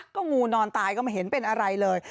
ก็งูนอนตายก็ไม่เห็นเป็นอะไรเลย